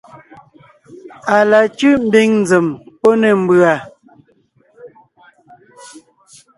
À la cʉ́ʼ ḿbiŋ nzèm pɔ́ ne ḿbʉ̀a.